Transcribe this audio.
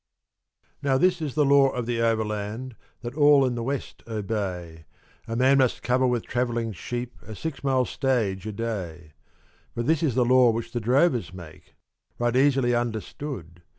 _) Now this is the law of the Overland, that all in the West obey, A man must cover with travelling sheep a six mile stage a day; But this is the law which the drovers make, right easily understood.